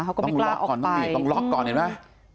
เขาก็ไม่กล้าออกไปต้องล๊อคก่อนต้องหนีต้องล๊อคก่อนเห็นไหม